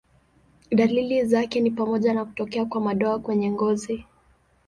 Dalili zake ni pamoja na kutokea kwa madoa kwenye ngozi.